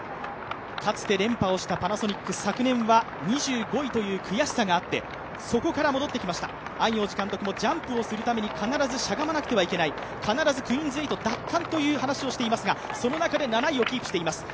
かつて連覇をしたパナソニック、昨年は２５位という悔しさがあってそこから戻ってきました安養寺監督もジャンプするために必ずしゃがまなくてはいけない、必ずクイーンズ８奪還という話をしていますがその中で７位をキープしています。